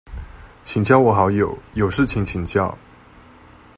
請加我好友，有事情請教